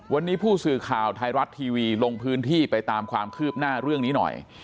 วันนี้ผู้สื่อข่าวไทยรัฐทีวีลงพื้นที่ไปตามความคืบหน้าเรื่องนี้หน่อย